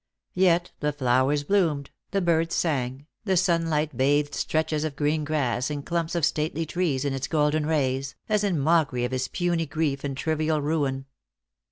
Yet the flowers bloomed, the birds sang, the sunlight bathed stretches of green grass and clumps of stately trees in its golden rays, as in mockery of his puny grief and trivial ruin.